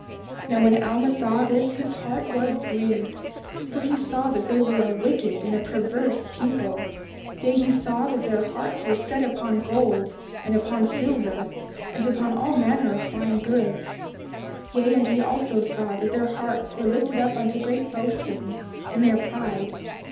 31:24 Now when Alma saw this his heart was grieved; for he saw that they were a wicked and a perverse people; yea, he saw that their hearts were set upon gold, and upon silver, and upon all manner of fine goods. 31:25 Yea, and he also saw that their hearts were lifted up unto great boasting, in their pride.